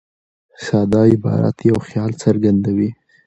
ساده عبارت یو خیال څرګندوي.